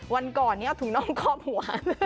วันก่อนนี้เอาถุงน่องคอมหัว